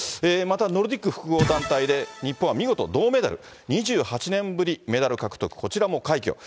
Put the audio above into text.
また、ノルディック複合団体で日本は見事銅メダル、２８年ぶりメダル獲得、こちらも快挙。